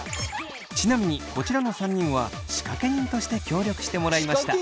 ちなみにこちらの３人は仕掛け人として協力してもらいました。